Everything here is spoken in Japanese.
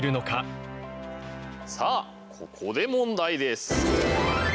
さあここで問題です。